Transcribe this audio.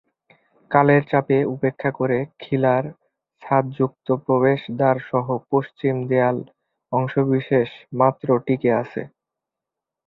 কালের চাপ উপেক্ষা করে খিলান ছাদযুক্ত প্রবেশদ্বারসহ পশ্চিম দেয়ালের অংশবিশেষ মাত্র টিকে আছে।